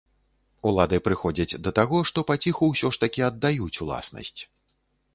Улады прыходзяць да таго, што паціху ўсё ж такі аддаюць уласнасць.